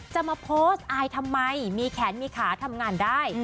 จะมาโพสต์อายทำไมมีแขนมีขาทำงานได้